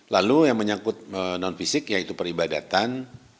lalu yang menyangkut non fisik yaitu peribadatan